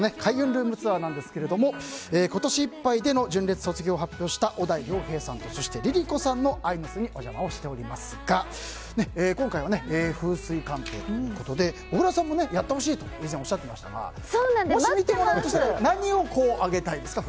ルームツアー！なんですが今年いっぱいでの純烈卒業を発表した小田井涼平さんとＬｉＬｉＣｏさんの愛の巣にお邪魔しておりますが今回は風水鑑定ということで小倉さんもやってほしいと以前おっしゃっていましたが何をあげたいですか？